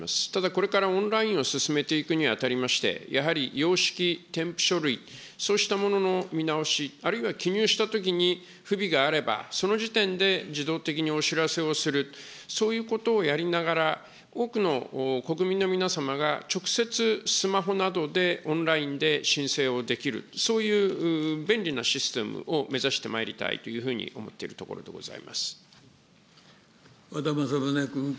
ただ、これからオンラインを進めていくにあたりまして、やはり様式、添付書類、そうしたものの見直し、あるいは記入したときに不備があれば、その時点で自動的にお知らせをする、そういうことをやりながら、多くの国民の皆様が直接スマホなどでオンラインで申請をできる、そういう便利なシステムを目指してまいりたいというふうに思っているところでござい和田政宗君。